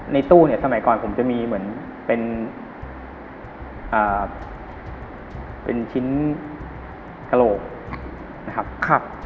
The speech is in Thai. ในตู้เนี้ยสมัยก่อนผมจะมีเหมือนเป็นอ่าเป็นชิ้นกระโหลนะครับครับ